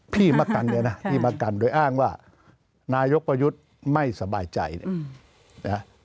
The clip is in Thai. พี่มะกันเลยนะเนี่ยมะกันโดยอ้างว่านายกประยุทธ์ไม่สบายใจอื้อ